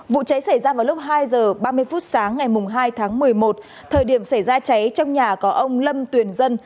vụ cháy xảy ra vào lúc hai h ba mươi phút sáng ngày hai tháng một mươi một thời điểm xảy ra cháy trong nhà có ông lâm tuyền dân